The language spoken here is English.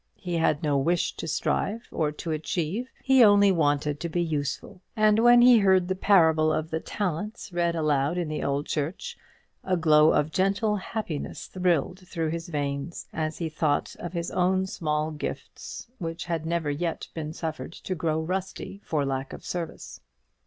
He had no wish to strive or to achieve; he only wanted to be useful; and when he heard the parable of the Talents read aloud in the old church, a glow of gentle happiness thrilled through his veins as he thought of his own small gifts, which had never yet been suffered to grow rusty for lack of service.